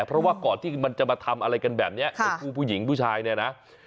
เพราะว่าก่อนที่มันจะมาทำอะไรกันแบบนี้ในคู่ผู้หญิงผู้ชายเนี่ยนะ